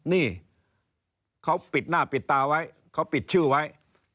นี่เขาปิดหน้าปิดตาไว้เขาปิดชื่อไว้